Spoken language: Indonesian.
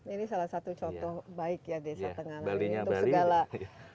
ini salah satu contoh baik ya desa tengah